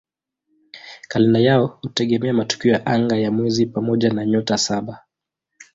Kalenda yao hutegemea matukio ya anga ya mwezi pamoja na "Nyota Saba".